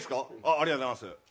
ありがとうございます。